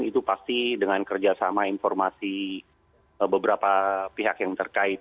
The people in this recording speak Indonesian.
itu pasti dengan kerjasama informasi beberapa pihak yang terkait